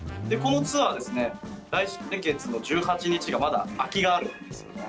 このツアーですね、来月の１８日がまだ空きがあるんですよね。